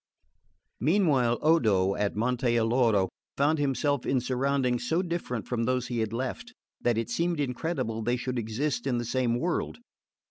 Meanwhile Odo, at Monte Alloro, found himself in surroundings so different from those he had left that it seemed incredible they should exist in the same world.